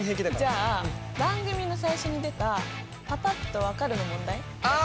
じゃあ番組の最初に出た「パパっと分かる」の問題やってみて。